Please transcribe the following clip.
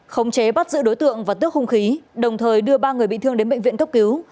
khống chế bắt giữ đối tượng và tước hung khí đồng thời đưa ba người bị thương đến bệnh viện cấp cứu